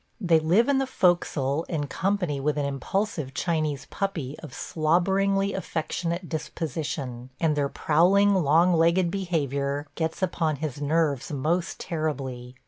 They live in the fo'castle in company with an impulsive Chinese puppy of slobberingly affectionate disposition; and their prowling, long legged behavior gets upon his nerves most terribly.